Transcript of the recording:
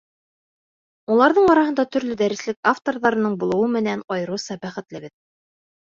Уларҙың араһында төрлө дәреслек авторҙарының булыуы менән айырыуса бәхетлебеҙ.